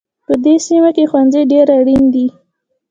په دې سیمه کې ښوونځی ډېر اړین دی